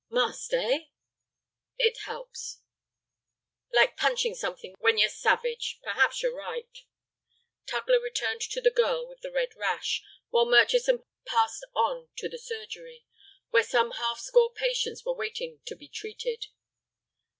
"Must, eh?" "It helps." "Like punching something when you're savage. Perhaps you're right." Tugler returned to the girl with the red rash, while Murchison passed on to the surgery, where some half score patients were waiting to be treated.